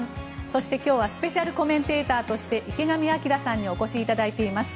そして今日はスペシャルコメンテーターとして池上彰さんにお越しいただいています。